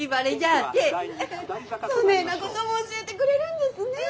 そねえなことも教えてくれるんですねえ。